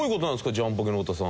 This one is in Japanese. ジャンポケの太田さん。